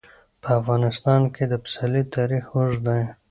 په افغانستان کې د پسرلی تاریخ اوږد دی.